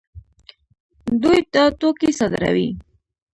دوی دا توکي صادروي.